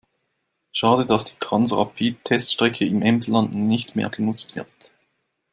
Schade, dass die Transrapid-Teststrecke im Emsland nicht mehr genutzt wird.